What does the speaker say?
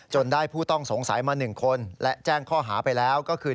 ได้ผู้ต้องสงสัยมา๑คนและแจ้งข้อหาไปแล้วก็คือ